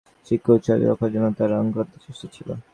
শিক্ষার উচ্চ আদর্শ রক্ষার জন্য তাঁর অক্লান্ত চেষ্টা ছিল।